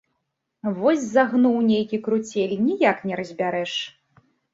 Вось загнуў нейкі круцель, ніяк не разбярэш!